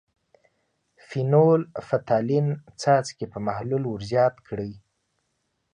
فینول – فتالین څاڅکي په محلول ور زیات کړئ.